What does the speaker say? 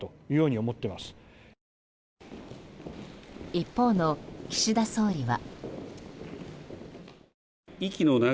一方の岸田総理は。